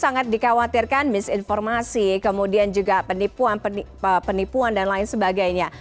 sangat dikhawatirkan misinformasi kemudian juga penipuan penipuan dan lain sebagainya